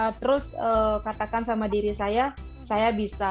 jadi saya terus katakan sama diri saya saya bisa